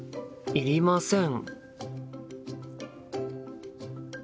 いりません。